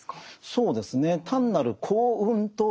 そうですね。